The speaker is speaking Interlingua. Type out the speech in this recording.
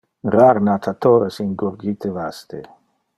Rar natatores in gurgite vaste.